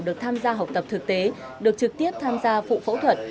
được tham gia học tập thực tế được trực tiếp tham gia phụ phẫu thuật